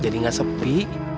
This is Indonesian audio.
jadi gak sepi